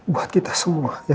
buat kita semua ya